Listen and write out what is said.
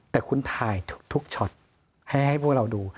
แต่คุณถ่ายทุกช็อตให้พวกเราดู